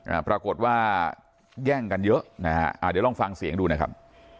อ่าปรากฏว่าแย่งกันเยอะนะฮะอ่าเดี๋ยวลองฟังเสียงดูนะครับ